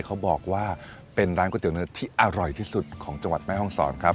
เขาบอกว่าเป็นร้านก๋วยเตี๋เนื้อที่อร่อยที่สุดของจังหวัดแม่ห้องศรครับ